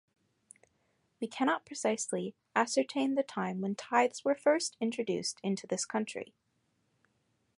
We cannot precisely ascertain the time when tithes were first introduced into this country.